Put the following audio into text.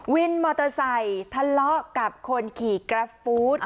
วินมอเตอร์ไซค์ทะเลาะกับคนขี่กราฟฟู้ด